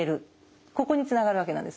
ここにつながるわけなんです。